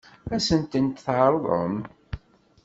Ad sent-tent-tɛeṛḍem?